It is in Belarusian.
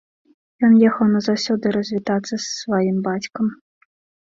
Ён ехаў назаўсёды развітацца з сваім бацькам.